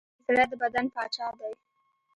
زړه د بدن پاچا دی.